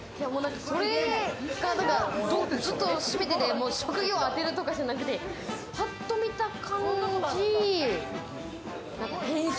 それがずっと閉めてて職業を当てるとかじゃなくて、ぱっと見た感じ、編集？